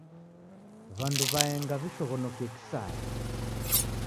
W'andu w'aenga w'ishoghonokie kisaya.